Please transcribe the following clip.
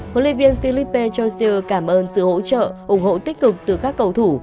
huấn luyện viên felipe châu siêu cảm ơn sự hỗ trợ ủng hộ tích cực từ các cầu thủ